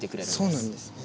そうなんですね。